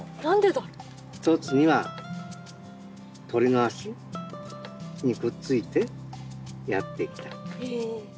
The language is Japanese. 一つには鳥の足にくっついてやって来た。